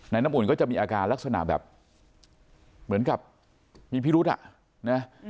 น้ำอุ่นก็จะมีอาการลักษณะแบบเหมือนกับมีพิรุษอ่ะนะ